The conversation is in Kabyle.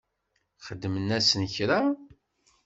Xedmen-asen kra?